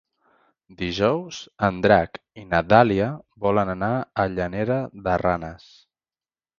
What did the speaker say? Dijous en Drac i na Dàlia volen anar a Llanera de Ranes.